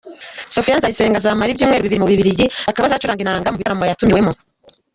Sophie Nzayisenga azamara ibyumweru bibiri mu Bubiligi, akaba azacuranga inanga mu bitaramo yatumiwemo.